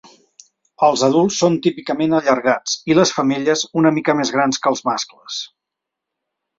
Els adults són típicament allargats, i les femelles una mica més grans que els mascles.